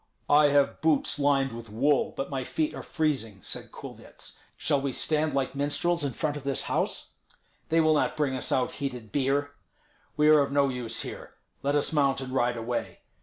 "I have boots lined with wool, but my feet are freezing," said Kulvyets. "Shall we stand like minstrels in front of this house? They will not bring us out heated beer. We are of no use here; let us mount and ride away.